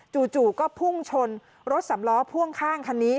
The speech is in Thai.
จู่ก็พุ่งชนรถสำล้อพ่วงข้างคันนี้